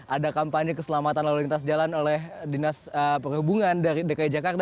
ada kampanye keselamatan lalu lintas jalan oleh dinas perhubungan dari dki jakarta